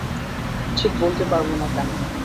ঠিক বলতে পারব না কেন।